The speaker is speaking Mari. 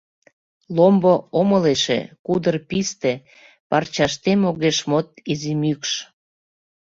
Ломбо омыл эше, кудыр писте, Парчаштем огеш мод изи мӱкш.